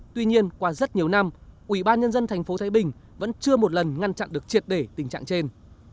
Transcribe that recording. tuy nhiên qua rất nhiều năm ủy ban nhân dân thành phố thái bình vẫn chưa một lần ngăn chặn được triệt để tình trạng trên